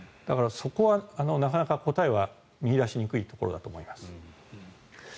そこはなかなか答えは見いだしにくいところだと思います。